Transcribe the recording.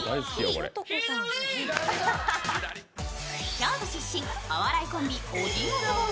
京都出身、お笑いコンビオジン